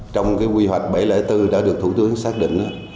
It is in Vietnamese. trong quy hoạch bảy trăm linh bốn đã được thủ tướng xác định